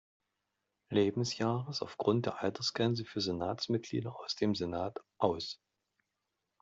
Lebensjahres aufgrund der Altersgrenze für Senatsmitglieder aus dem Senat aus.